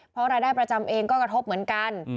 เพราะรายได้ประจำเองก็กระทบเหมือนกัน